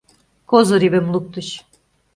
Козыревым луктыч.